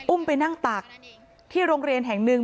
ไปนั่งตักที่โรงเรียนแห่งหนึ่ง